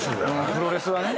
プロレスはね。